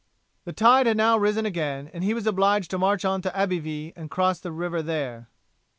The tide had now risen again, and he was obliged to march on to Abbeville and cross the river there.